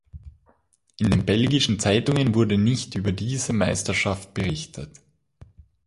In den belgischen Zeitungen wurde nicht über diese Meisterschaft berichtet.